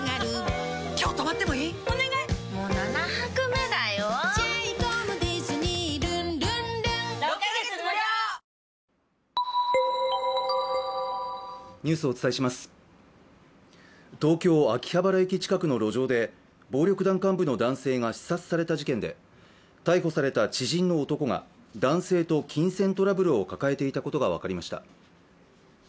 まあいちかばちか東京・秋葉原駅近くの路上で、暴力団幹部の男性が刺殺された事件で逮捕された知人の男が男性と金銭トラブルを抱えていたことが分かりました。